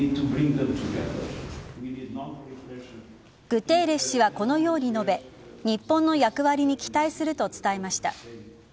グテーレス氏はこのように述べ日本の役割に期待すると伝えました。